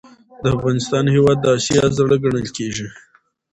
دافغانستان هیواد د اسیا زړه ګڼل کیږي.